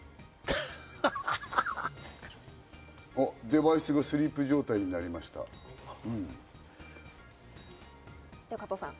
デバイスがスリープ状態になりましたって出てる。